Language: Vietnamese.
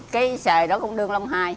cái sề đó cũng đường lông hai